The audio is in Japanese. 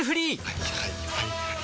はいはいはいはい。